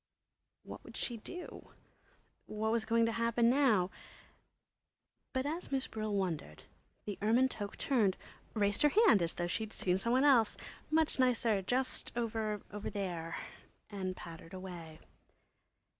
What would she do? What was going to happen now? But as Miss Brill wondered, the ermine toque turned, raised her hand as though she'd seen some one else, much nicer, just over there, and pattered away.